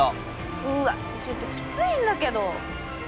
うわっちょっときついんだけど。